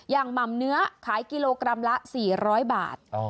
หม่ำเนื้อขายกิโลกรัมละ๔๐๐บาท